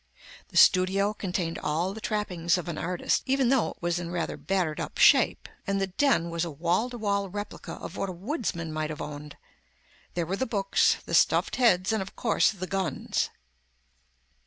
The studio contained all of the trappings of an artist, even though it was in rather battered up shape, and the den was a wall to wall replica of what a woodsman might have owned. There were the books, the stuffed heads and, of course, the guns.